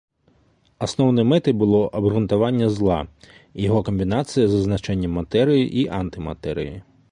Асноўнай мэтай было абгрунтаванне зла і яго камбінацыя з азначэннем матэрыі і антыматэрыі.